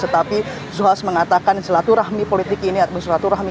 tetapi zulkifli hasan mengatakan selatu rahmi politik ini